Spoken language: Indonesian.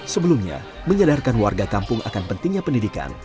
sebelumnya menyadarkan warga kampung akan pentingnya pendidikan